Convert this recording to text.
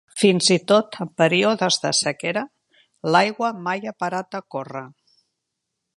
Fins i tot en períodes de sequera l'aigua mai ha parat de córrer.